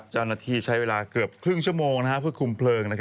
เจ้าหน้าที่ใช้เวลาเกือบครึ่งชั่วโมงเพื่อคุมเพลิง